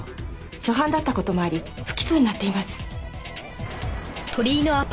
初犯だった事もあり不起訴になっています。